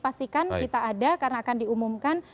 pastikan kita ada karena akan diumumkan